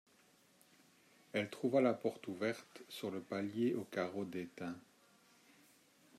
Elle trouva la porte ouverte, sur le palier aux carreaux déteints.